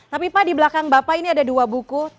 tapi pak di belakang bapak ini ada dua buku